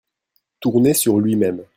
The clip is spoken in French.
Tourner sur lui-même.